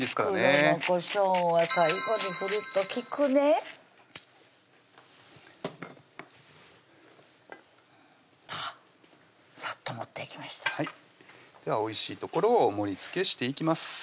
黒のこしょうは最後にふると利くねさっと持っていきましたではおいしいところを盛りつけしていきます